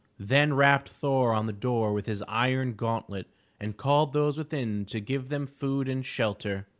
Then rapped Thor on the door with his iron gauntlet, and called those within to give them food and shelter.